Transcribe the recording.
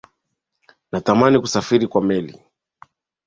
Natamani kusafiri kwa meli